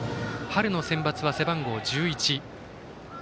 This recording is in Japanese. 春のセンバツは背番号１１。